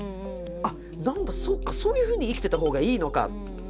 あっ何だそっかそういうふうに生きてたほうがいいのかっていうふうに。